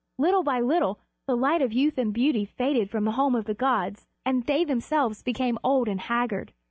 Little by little the light of youth and beauty faded from the home of the gods, and they themselves became old and haggard.